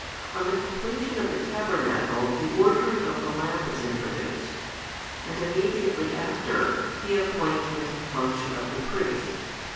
On the completion of the tabernacle the ordering of the lamp is introduced, and immediately after, the appointment and function of the priests.